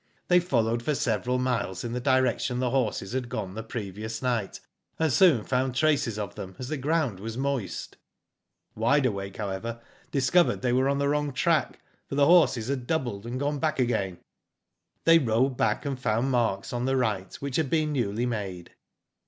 "They followed for several miles in the di rection the horses had gone the previous night, Digitized byGodgk THE PHANTOM HORSE. 95 and soon found traces of them, as the ground was moist. Wide Awake however discovered they were on the wrong track, for the horses had doubled, and gone back again. "They rode back, and found marks on the right, which had been newly made.